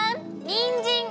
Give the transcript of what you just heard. にんじん！